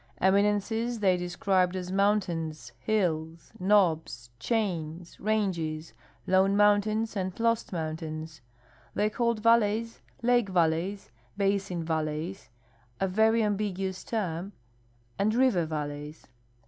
Eminences they described as moun tains, hills, knobs, chains, ranges, lone mountains, and lost mountains. They called valleys lake valleys, l>asin valleys (a very ambiguous term), and river valleys.